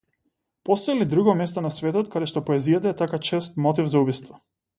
Постои ли друго место на светот кадешто поезијата е така чест мотив за убиство?